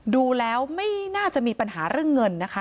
ดูแล้วไม่น่าจะมีปัญหาเรื่องเงินนะคะ